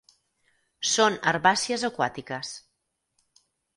Són herbàcies aquàtiques.